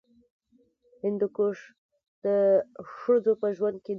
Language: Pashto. هندوکش د ښځو په ژوند کې دي.